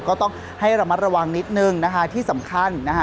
ก็ต้องให้ระมัดระวังนิดนึงนะคะที่สำคัญนะคะ